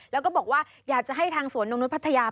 แล้วก็บอกว่าอยากจะให้ทางสวนนกนุษย์พัทยา